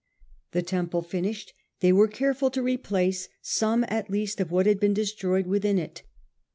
The temple finished, they were careful to re place some at least of what had been destroyed within it.